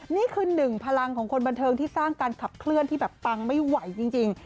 นี่คือหนึ่งพลังของคนบันเทิงที่สร้างการขับเคลื่อนที่แบบปังไม่ไหวจริง